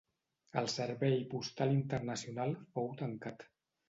El servei postal internacional fou tancat.